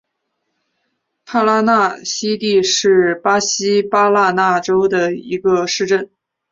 帕拉纳西蒂是巴西巴拉那州的一个市镇。